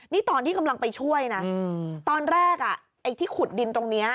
นี่ตอนที่กำลังไปช่วยนะตอนแรกอ่ะไอ้ที่ขุดดินตรงนี้